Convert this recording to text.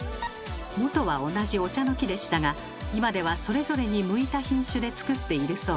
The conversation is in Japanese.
もとは同じお茶の木でしたが今ではそれぞれに向いた品種で作っているそうです。